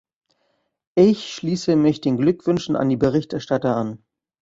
Ich schließe mich den Glückwünschen an die Berichterstatter an.